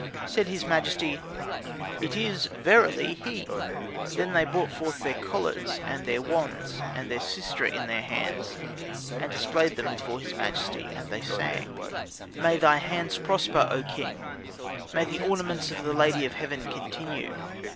Said his majesty, "It is verily he." Then they brought their collars, and their wands, and their sistra in their hands, and displayed them before his majesty; and they sang "May thy hands prosper, O king; May the ornaments of the Lady of Heaven continue.